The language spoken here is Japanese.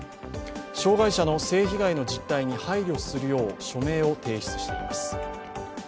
障害者の性被害の実態に配慮するよう署名を提出しています。